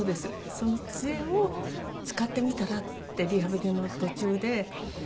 その杖を「使ってみたら？」ってリハビリの途中で。